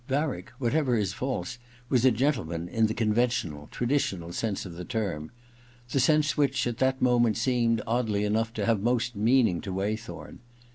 Varick, whatever his faults, was a gentleman, in the conventional, traditional sense of the term : the sense which at that moment seemed, oddly enough, to have most meaning to Waythorn.